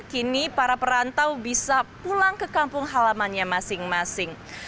kini para perantau bisa pulang ke kampung halamannya masing masing